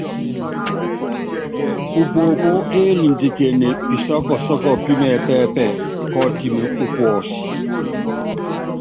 Pupoopó élindiken pisɔ́ɔ́ kɔsɔ́ɔ́kɔ pí mɛɛ́pɛ́pɛ bɔ́ ɔtɛ́m ú puɔ́s.